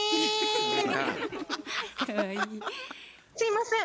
すいません。